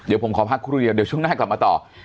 เดี๋ยวผมขอพักครู่เดียวเดี๋ยวช่วงหน้ากลับมาต่อ